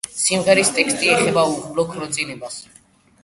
სიმღერის ტექსტი ეხება უიღბლო ქორწინებას.